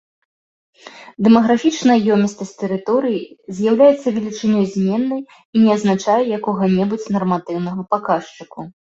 Дэмаграфічная ёмістасць тэрыторыі з'яўляецца велічынёй зменнай і не азначае якога-небудзь нарматыўнага паказчыку.